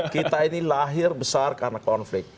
kita ini lahir besar karena konflik